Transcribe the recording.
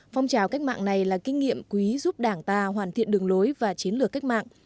phong trào cách mạng này là kinh nghiệm quý giúp đảng ta hoàn thiện đường lối và chiến lược cách mạng